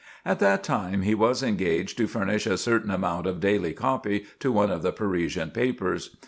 At that time he was engaged to furnish a certain amount of daily copy to one of the Parisian papers.